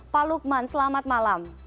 pak lukman selamat malam